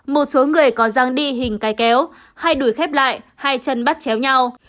một số người có giang đi hình cái kéo hay đuổi khép lại hay chân bắt chéo nhau